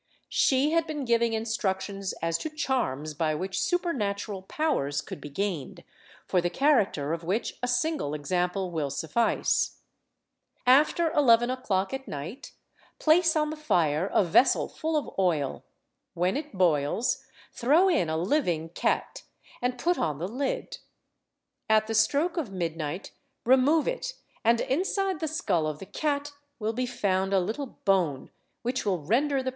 She had been giving instructions as to charms by which super natural powers could be gained, for the character of which a single example will suffice. After 11 o'clock at night, place on the fire a vessel full of oil ; when it boils, throw in a hving cat and put on the lid; at the stroke of midnight remove it and inside the skull of the cat will be found a httle bone, which will render the person 1 Regimento do Santo Officio da Inquisipao pelo Cardeal da Cunha, pp.